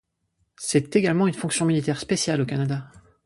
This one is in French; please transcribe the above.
C'est également une fonction militaire spéciale au Canada.